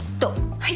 はい！